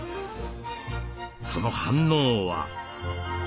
その反応は。